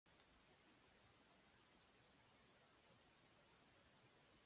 Helmut y Franz estudiaron piano con su madre.